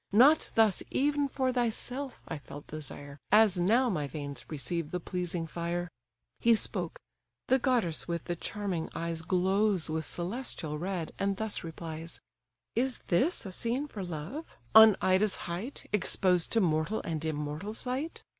Not thus even for thyself I felt desire, As now my veins receive the pleasing fire." He spoke; the goddess with the charming eyes Glows with celestial red, and thus replies: "Is this a scene for love? On Ida's height, Exposed to mortal and immortal sight!